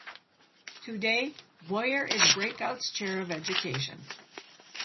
Today, Boyer is Breakout's Chair of Education.